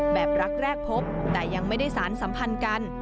แบบรักแรกพบแต่ยังไม่ได้สารสัมพันธ์กัน